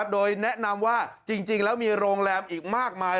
โดยแนะนำว่าจริงแล้วมีโรงแรมอีกมากมาย